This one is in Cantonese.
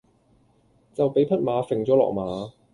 就畀匹馬揈咗落馬